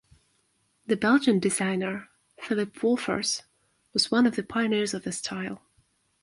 The Belgian designer Philippe Wolfers was one of the pioneers of the style.